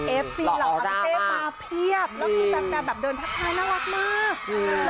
เอฟซีเหล่าอัพเต้มาเพียบและคุณแบมแบมแบบเดินทักทายน่ารักมาก